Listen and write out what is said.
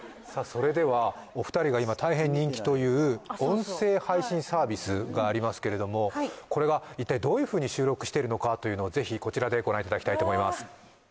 それではお二人が今大変人気という音声配信サービスがありますけれどもこれが一体どういうふうに収録してるのかというのをぜひこちらでご覧いただきたいと思います